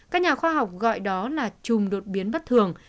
các nhà khoa học gọi đó là chùm đột biến bất thường